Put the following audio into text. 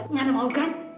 ngana mau kan